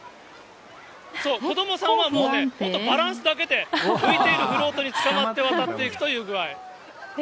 子どもさんはバランスだけで、浮いているフロートにつかまって渡っていくという具合。